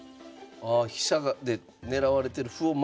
ああ飛車で狙われてる歩を守ってるんですね。